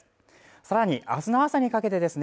さらにあすの朝にかけてですね